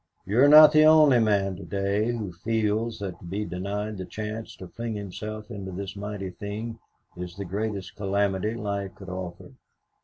You are not the only man to day who feels that to be denied the chance to fling himself into this mighty thing is the greatest calamity life could offer.